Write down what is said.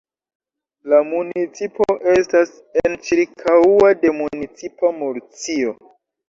La municipo estas enĉirkaŭa de municipo Murcio.